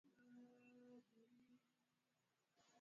Watu wanaweza kupata maambukizi ya ugonjwa wa kimeta